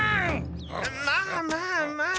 まあまあまあ。